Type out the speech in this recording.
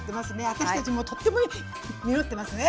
私たちもとっても実ってますね。